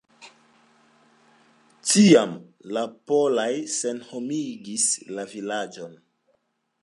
Tiam la poloj senhomigis la vilaĝon.